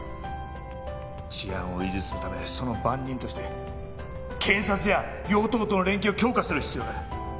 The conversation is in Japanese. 治安を維持するためその番人として検察や与党との連携を強化する必要がある。